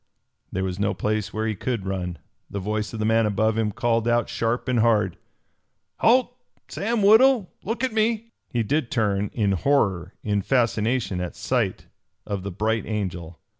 There was no place where he could run. The voice of the man above him called out sharp and hard. "Halt! Sam Woodhull, look at me!" He did turn, in horror, in fascination at sight of the Bright Angel.